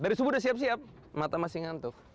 dari subuh udah siap siap mata masih ngantuk